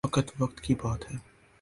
فقط وقت کی بات ہے۔